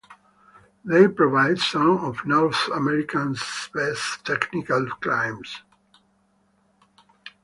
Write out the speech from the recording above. They provide some of North America's best technical climbs.